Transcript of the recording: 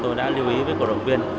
thì tôi đã lưu ý với cổ động viên